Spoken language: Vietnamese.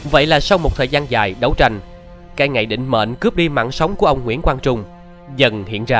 vậy là sau một thời gian dài đấu tranh cai ngày định mệnh cướp đi mạng sống của ông nguyễn quang trung dần hiện ra